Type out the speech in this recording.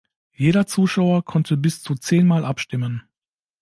Jeder Zuschauer konnte bis zu zehn Mal abstimmen.